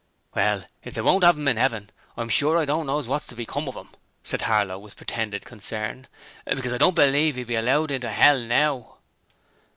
'Well, if they won't 'ave 'im in 'eaven, I'm sure I don't know wot's to become of 'im,' said Harlow with pretended concern, 'because I don't believe 'e'd be allowed into 'ell, now.'